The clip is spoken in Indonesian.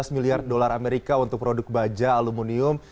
lima belas miliar dolar amerika untuk produk baja aluminium